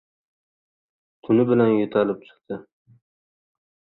Tuni bilan yo‘talib chiqdi